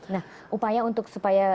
nah upaya untuk supaya